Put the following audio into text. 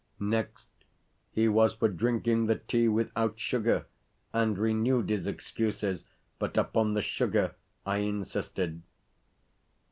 Next, he was for drinking the tea without sugar, and renewed his excuses, but upon the sugar I insisted.